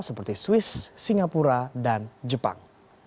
seperti swiss singapura dan jepang